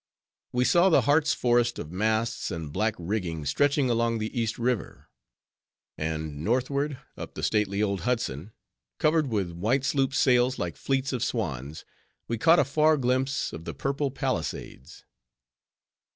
We saw the Hartz Forest of masts and black rigging stretching along the East River; and northward, up the stately old Hudson, covered with white sloop sails like fleets of swans, we caught a far glimpse of the purple Palisades.